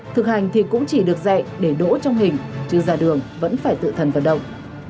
thực hành thì cũng chỉ được dạy để đỗ trong hình chứ ra đường vẫn phải tự thần vận động